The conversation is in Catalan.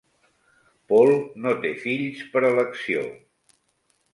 Paul no té fills per elecció.